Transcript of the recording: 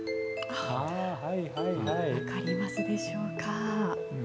わかりますでしょうか？